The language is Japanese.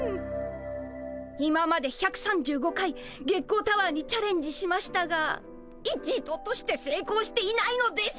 今まで１３５回月光タワーにチャレンジしましたが一度としてせいこうしていないのです。